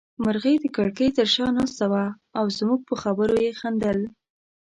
مرغۍ د کړکۍ تر شا ناسته وه او زموږ په خبرو يې خندل.